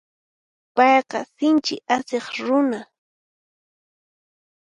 Payqa sinchi asiq runa.